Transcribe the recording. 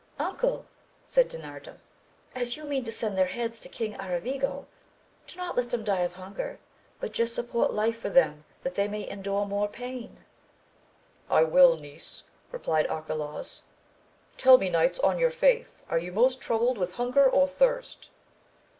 Uncle, said Dinarda, as you mean to send their heads to King Aravigo, do not let them die of hunger, but just support life for them that they may endure more pain. I will niece, replied Arcalaus, Tell me knights on your faith are you most troubled with hunger or thirst